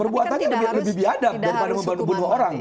perbuatannya lebih biadab daripada bunuh orang